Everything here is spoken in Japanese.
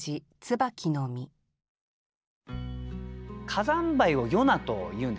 火山灰を「よな」というんですね。